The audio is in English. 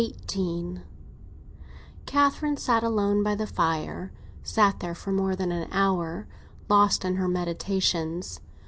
XVIII CATHERINE sat alone by the parlour fire—sat there for more than an hour, lost in her meditations.